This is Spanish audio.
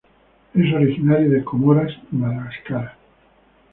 Es originario de Comoras y Madagascar.